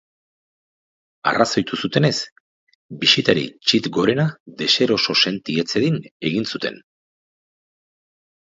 Arrazoitu zutenez, bisitari txit gorena deseroso senti ez zedin egin zuten.